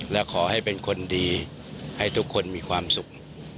และขอให้เป็นคนดีให้ทุกคนมีความสุข